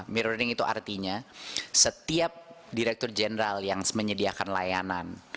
mirroring itu artinya setiap direktur jeneral yang menyediakan layanan